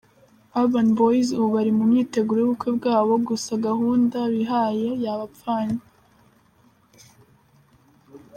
Urban Boys ubu bari mu myiteguro y'ubukwe bwabo gusa gahunda bihaye yabapfanye.